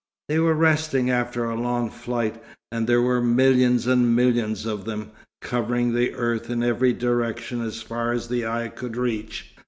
They were resting after a long flight, and there were millions and millions of them, covering the earth in every direction as far as the eye could reach.